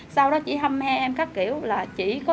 sau đó chị hâm he em các kiểu là chị có